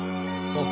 あっ。